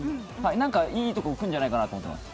いいところいくんじゃないかなと思ってます。